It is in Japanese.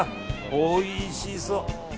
おいしそう。